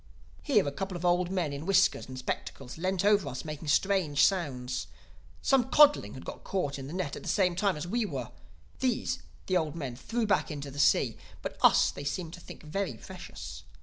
"Here a couple of old men in whiskers and spectacles leant over us, making strange sounds. Some codling had got caught in the net the same time as we were. These the old men threw back into the sea; but us they seemed to think very precious.